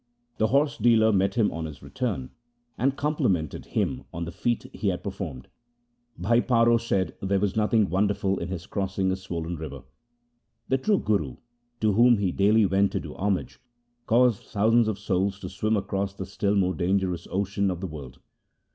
The horse dealer met him on his return, and compli mented him on the feat he had performed. Bhai Paro said there was nothing wonderful in his crossing a swollen river. The true Guru, to whom he daily went to do homage, caused thousands of souls to swim across the still more dangerous ocean of the world.